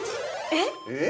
◆えっ？